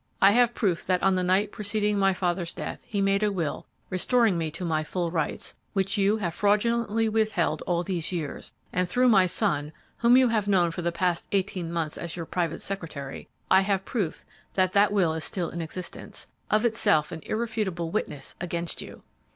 I have proof that on the night preceding my father's death he made a will restoring to me my full rights, which you have fraudulently withheld all these years; and through my son, whom you have known for the past eighteen months as your private secretary, I have proof that that will is still in existence, of itself an irrefutable witness against you!'